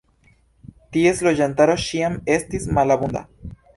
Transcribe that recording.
Ties loĝantaro ĉiam estis malabunda.